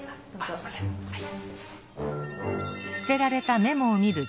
すみませんはい。